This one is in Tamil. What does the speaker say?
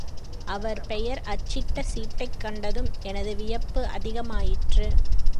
அவர் பெயர் அச்சிட்ட சீட்டைக் கண்டதும் எனது வியப்பு அதிகமாயிற்று.